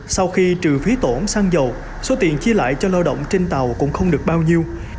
sau khi trừ phí tổn xăng dầu số tiền chia lại cho lao động trên tàu cũng không được bao nhiêu